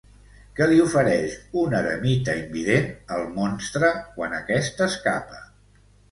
Què li ofereix un eremita invident al monstre quan aquest escapa?